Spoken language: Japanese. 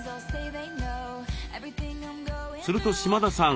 すると島田さん